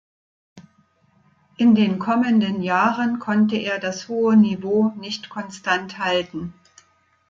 In den kommenden Jahren konnte er das hohe Niveau nicht konstant halten.